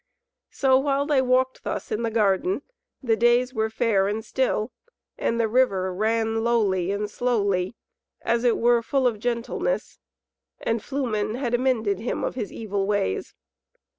So while they walked thus in the garden, the days were fair and still, and the river ran lowly and slowly, as it were full of gentleness, and Flumen had amended him of his evil ways.